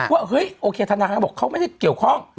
ว่าเฮ้ยโอเคธนาคารบอกเขาไม่ได้เกี่ยวข้อง